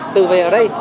từ về ở đây